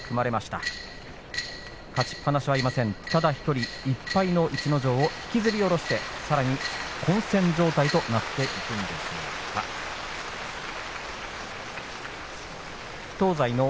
ただ１人、１敗の逸ノ城を引きずり落としてさらに混戦状態となっていくんでしょうか。